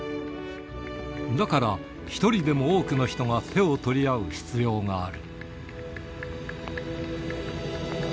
だから、一人でも多くの人が手を取り合う必要がある。